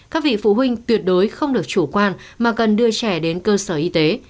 các vị phụ huynh tuyệt đối không được chủ quan mà cần đưa trẻ đến cơ sở y tế